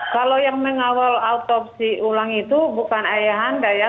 kalau yang mengawal autopsi ulang itu bukan ayah anda ya